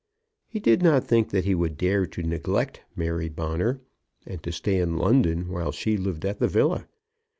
He did not think that he would dare to neglect Mary Bonner, and to stay in London while she lived at the villa.